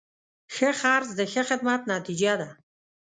ښه خرڅ د ښه خدمت نتیجه ده.